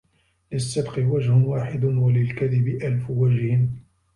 للصدق وجه واحد وللكذب ألف وجه.